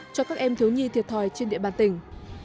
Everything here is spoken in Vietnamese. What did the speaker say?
cho các em thiếu nhi thiệt thòi trên địa bàn tỉnh